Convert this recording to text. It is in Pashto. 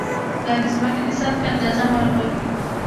دا د ځمکې د سطحې اندازه معلوموي.